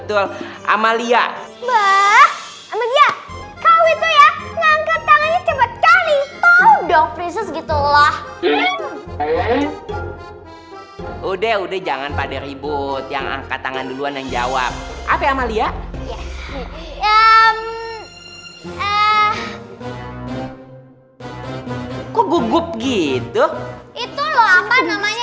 tuh kan amalia kau itu ya tunjuk tangannya gitu ya